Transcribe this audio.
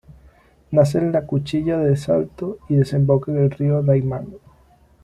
Nace en la Cuchilla de Salto y desemboca en el río Daymán.